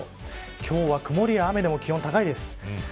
今日は曇りや雨で気温が高いです。